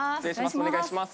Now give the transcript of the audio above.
お願いします！